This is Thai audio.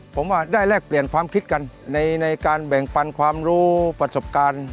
ผมว่าได้แลกเปลี่ยนความคิดกันในการแบ่งปันความรู้ประสบการณ์